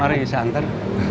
mari saya antar